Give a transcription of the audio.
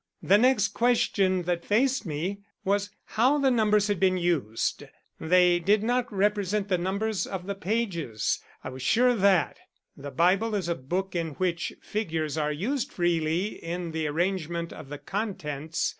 "The next question that faced me was how the numbers had been used: they did not represent the numbers of the pages, I was sure of that. The Bible is a book in which figures are used freely in the arrangement of the contents.